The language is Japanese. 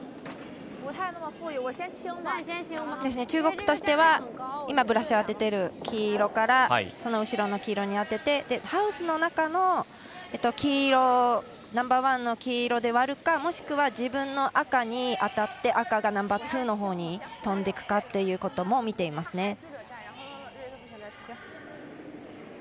中国としてはブラシを当てている黄色からその後ろの黄色に当ててハウスの中のナンバーワンの黄色で割るかもしくは自分の赤に当たって赤がナンバーツーのほうに飛んでいくかということも見ていますね。